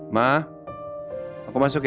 ma aku masuk ya